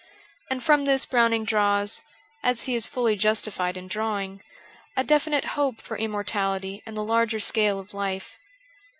And from this Browning draws, as he is fully justified in drawing, a definite hope for immortality and the larger scale of life.